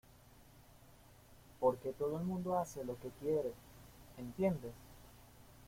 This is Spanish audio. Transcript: porque todo el mundo hace lo que quiere, ¿ entiendes?